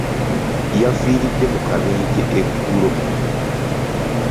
Yafiiridde mu kabenje eggulo.